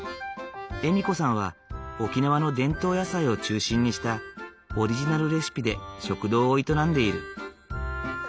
笑子さんは沖縄の伝統野菜を中心にしたオリジナルレシピで食堂を営んでいる。